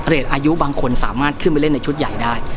อายุบางคนสามารถขึ้นไปเล่นในชุดใหญ่ได้